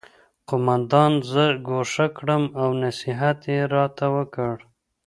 قومندان زه ګوښه کړم او نصیحت یې راته وکړ